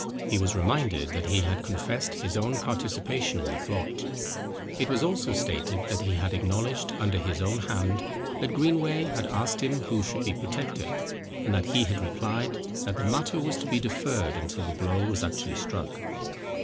He was reminded that he had confessed his own participation in the plot. It was also stated, that he had acknowledged, under his own hand, that Greenway had asked him who should be protector? and that he had replied that the matter was to be deferred until the blow was actually struck.